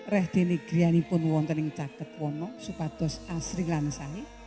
reh dinigriani pun wonteneng caketwono supatos asri lansai